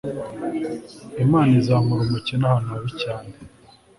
Imana izamura umukene ahantu habi cyane